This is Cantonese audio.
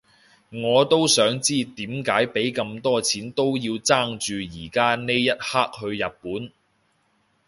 我都想知點解畀咁多錢都要爭住而家呢一刻去日本